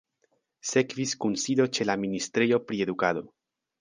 Sekvis kunsido ĉe la ministrejo pri edukado.